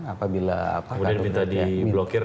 apabila kartu kreditnya kemudian minta di blokir